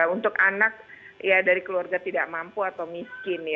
untuk anak ya dari keluarga tidak mampu atau miskin